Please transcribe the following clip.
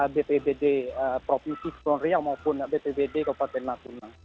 bupbd provinsi keputusan riau maupun bpbd bupati latuna